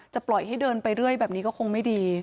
ปล่อยให้เดินไปเรื่อยแบบนี้ก็คงไม่ดี